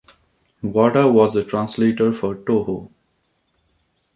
Wada was a translator for Toho.